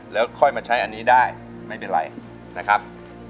แล้วค่อยมาใช้อันนี้ได้ไม่เป็นไรนะครับ